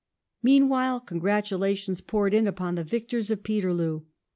Meanwhile, congratulations poured in upon the victors of Peterloo.